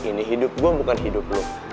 ini hidup gue bukan hidup lo